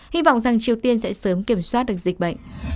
hy vọng rằng triều tiên sẽ sớm kiểm soát được dịch bệnh